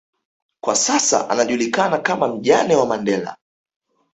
kwa sasa anajulikana kama mjane wa Mandela